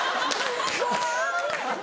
怖い！